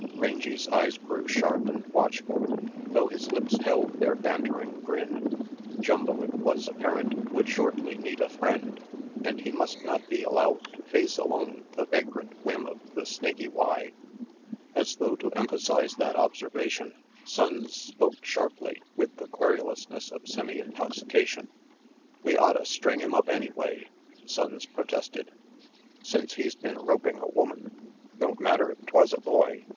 Rangy 's eyes grew sharp and watchful, though his lips held their bantering grin. Jumbo, it was apparent, would shortly need a friend, and he must not be allowed to face alone the vagrant whim of the Snaky Y. As though to emphasize that obser vation, Sonnes spoke sharply, with the querulous ness of semi intoxication. "We otta string him up anyway," Sonnes pro tested, "since he's been roping a woman. Don't matter if 'twas a boy.